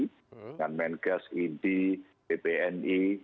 dengan menkes id bpni